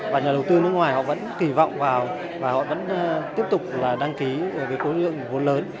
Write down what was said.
và nhà đầu tư nước ngoài họ vẫn kỳ vọng vào và họ vẫn tiếp tục đăng ký cái cố lượng vốn lớn